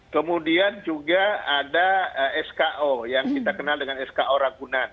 kemudian juga ada sko yang kita kenal dengan sko ragunan